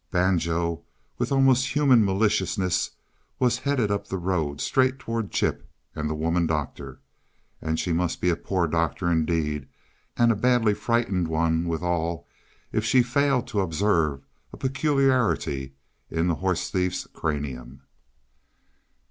Banjo, with almost human maliciousness, was heading up the road straight toward Chip and the woman doctor and she must be a poor doctor indeed, and a badly frightened one, withal, if she failed to observe a peculiarity in the horse thief's cranium.